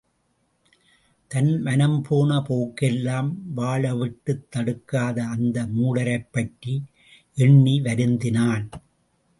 தன் மனம்போன போக்கெல்லாம் வாழவிட்டுத் தடுக்காத அந்த மூடரைப்பற்றி எண்ணி வருந்தினான்.